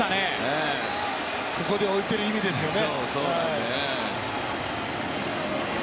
ここで置いている意味ですよね。